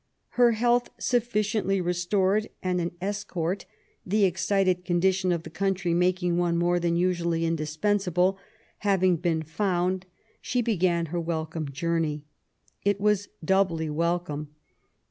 Her health 'SuflSciently restored, and an escort — the excited condi tion of the country making one more than usually indispensable — having been found, she began her wel •come journey. It was doubly welcome.